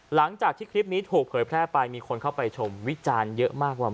หลังจากที่คลิปนี้ถูกเผยแพร่ไปมีคนเข้าไปชมวิจารณ์เยอะมากว่า